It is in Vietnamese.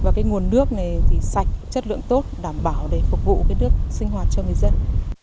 và nguồn nước này sạch chất lượng tốt đảm bảo để phục vụ nước sinh hoạt cho người dân